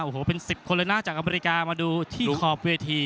โอ้โหเป็น๑๐คนเลยนะจากอเมริกามาดูที่ขอบเวที